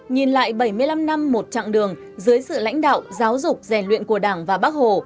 nhìn lại bảy mươi năm năm một chặng đường dưới sự lãnh đạo giáo dục rèn luyện của đảng và bác hồ